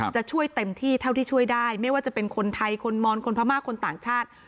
จะช่วยเต็มที่เท่าที่ช่วยได้ไม่ว่าจะเป็นคนไทยคนมอนคนพม่าคนต่างชาติ